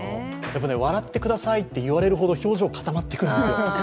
やっぱ笑ってくださいと言われるほど表情、かたまってくるんですよ。